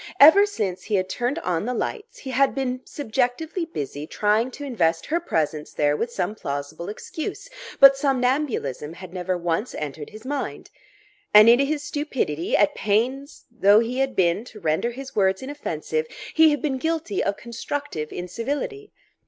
Ever since he had turned on the lights, he had been subjectively busy trying to invest her presence there with some plausible excuse. But somnambulism had never once entered his mind. And in his stupidity, at pains though he had been to render his words inoffensive, he had been guilty of constructive incivility.